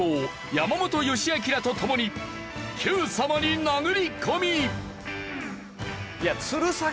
山本祥彰らと共に『Ｑさま！！』に殴り込み！